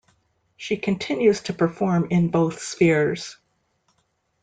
She continues to perform in both spheres.